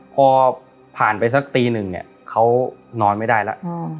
พอผ่านไปสักตีหนึ่งเนี่ยเขานอนไม่ได้แล้ว